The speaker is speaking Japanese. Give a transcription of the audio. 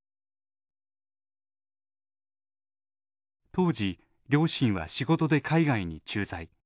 当時両親は仕事で海外に駐在。